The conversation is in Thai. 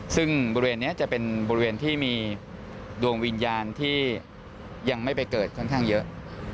ซึ่งบริเวณนี้จะเป็นบริเวณที่มีดวงวิญญาณที่ยังไม่ไปเกิดค่อนข้างเยอะ